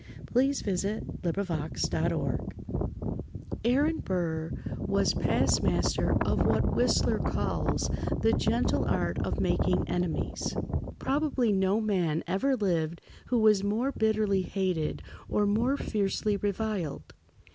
[Pg 60] The Story of a Daughter's Love Aaron Burr was past master of what Whistler calls "the gentle art of making enemies!" Probably no man ever lived who was more bitterly hated or more fiercely reviled.